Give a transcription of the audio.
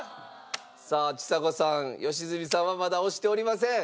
さあちさ子さん良純さんはまだ押しておりません。